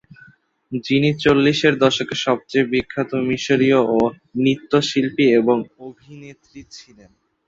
যিনি চল্লিশের দশকের সবচেয়ে বিখ্যাত মিশরীয় নৃত্যশিল্পী এবং অভিনেত্রী ছিলেন।